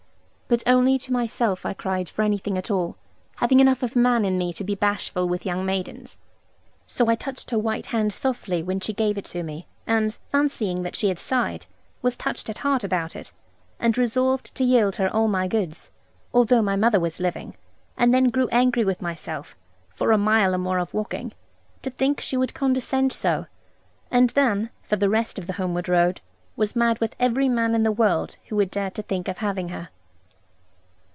But only to myself I cried for anything at all, having enough of man in me to be bashful with young maidens. So I touched her white hand softly when she gave it to me, and (fancying that she had sighed) was touched at heart about it, and resolved to yield her all my goods, although my mother was living; and then grew angry with myself (for a mile or more of walking) to think she would condescend so; and then, for the rest of the homeward road, was mad with every man in the world who would dare to think of having her.